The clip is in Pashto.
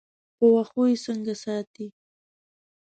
په واښو یې څنګه ساتې.